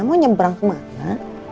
mau nyebrang kemana